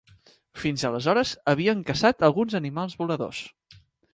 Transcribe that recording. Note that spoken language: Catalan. Fins aleshores havien caçat alguns animals voladors.